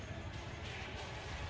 dan kita saksikan bersama